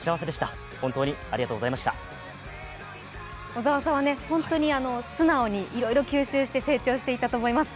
小沢さんは、本当に素直にいろいろ吸収して成長していったと思います。